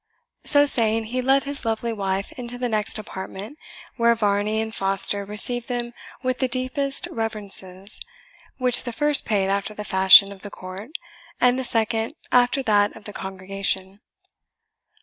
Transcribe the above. So saying he led his lovely wife into the next apartment, where Varney and Foster received them with the deepest reverences, which the first paid after the fashion of the court, and the second after that of the congregation.